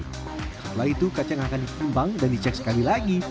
setelah itu kacang akan dikembang dan dicek sekali lagi